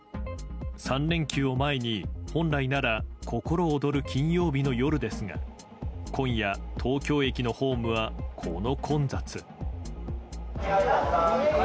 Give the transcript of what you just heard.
３連休を前に本来なら心躍る金曜日の夜ですが今夜、東京駅のホームはこの混雑。